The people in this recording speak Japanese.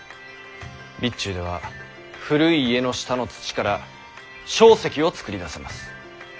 備中では古い家の下の土から硝石を作り出せます。